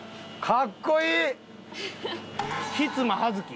かっこいい！